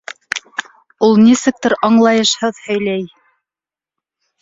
Ул нисектер аңлайышһыҙ һөйләй.